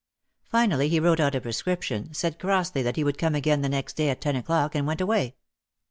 Finally he wrote out a prescription, said crossly that he would come again the next day at ten o'clock and went away.